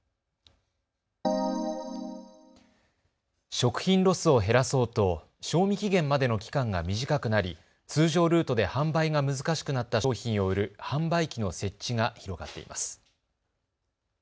食品ロスを減らそうと賞味期限までの期間が短くなり通常ルートで販売が難しくなった商品を売る販売機の設置が広がっています。